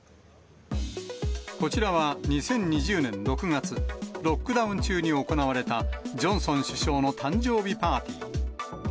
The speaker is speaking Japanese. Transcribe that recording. こちらは２０２０年６月、ロックダウン中に行われた、ジョンソン首相の誕生日パーティー。